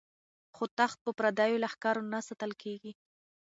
خو تخت په پردیو لښکرو نه ساتل کیږي.